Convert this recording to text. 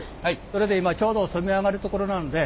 それで今ちょうど染め上がるところなんで。